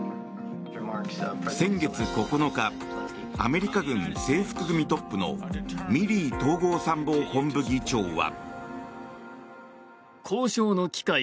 先月９日アメリカ軍制服組トップのミリー統合参謀本部議長は。